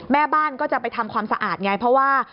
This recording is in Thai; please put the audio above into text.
แม่บ้านก็จะไปทำความสะอาดไงเพราะว่า